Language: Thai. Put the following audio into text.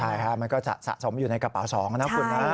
ใช่ค่ะมันก็จะสะสมอยู่ในกระเป๋า๒นะคุณนะ